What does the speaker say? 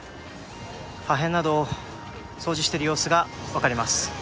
破片など、掃除している様子が分かります。